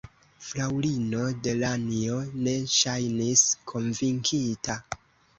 Fraŭlino Delanjo ne ŝajnis konvinkita.